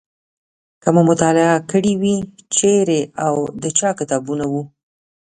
که مو مطالعه کړي وي چیرې او د چا کتابونه وو.